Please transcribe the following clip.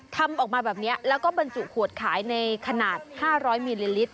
ทำออกมาแบบนี้แล้วก็บรรจุขวดขายในขนาด๕๐๐มิลลิลิตร